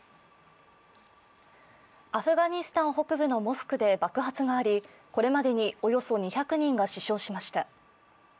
アフガニスタン北部のモスクで爆発がありこれまでにおよそ２００人が死傷しました。